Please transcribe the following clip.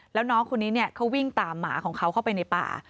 แล้วน้องคนนี้เขาวิ่งตามหมาของเขาเข้าไปในป่า